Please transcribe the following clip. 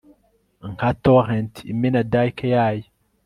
Nka torrent imena dike yayo